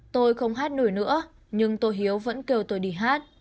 tôi không hát nổi nữa nhưng tôi hiếu vẫn kêu tôi đi hát